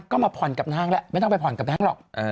ก็มาผ่อนกับนางแล้วไม่ต้องไปผ่อนกับแก๊งหรอก